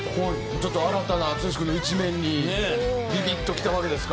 ちょっと新たな剛君の一面にビビッときたわけですか。